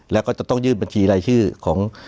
แล้วก็จะต้องยื่นบัญชีรายชื่อของ